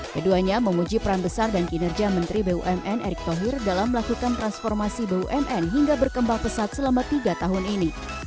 keduanya menguji peran besar dan kinerja menteri bumn erick thohir dalam melakukan transformasi bumn hingga berkembang pesat selama tiga tahun ini